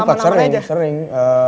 sempat sering sering